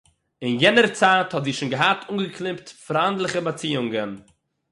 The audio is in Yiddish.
אין יענער צייט האָט זי שוין געהאַט אָנגעקניפּט פריינדליכע באַציאונגען